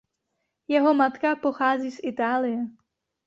Jeho matka pochází z Itálie.